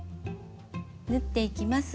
縫っていきます。